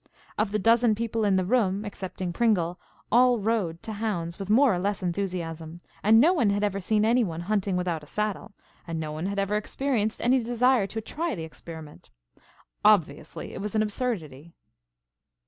Of the dozen people in the room, excepting Pringle, all rode to hounds with more or less enthusiasm, and no one had ever seen any one hunting without a saddle and no one had ever experienced any desire to try the experiment. Obviously it was an absurdity.